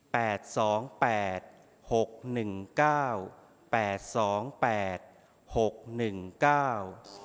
สองแปดหกหนึ่งเก้าแปดสองแปดหกหนึ่งเก้า